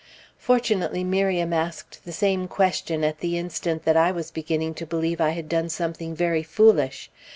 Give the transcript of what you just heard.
Fortunately Miriam asked the same question at the instant that I was beginning to believe I had done something very foolish.